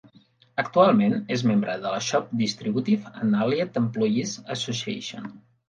Actualment és membre de la Shop Distributive and Allied Employees Association.